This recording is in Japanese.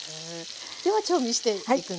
では調味していくんですね。